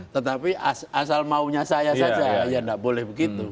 tetapi asal maunya saya saja ya tidak boleh begitu